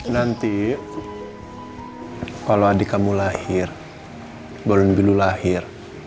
nanti kalau adik kamu lahir baru nino lahir